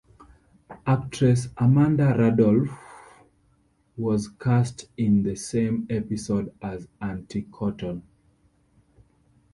Actress Amanda Randolph was cast in the same episode as Auntie Cotton.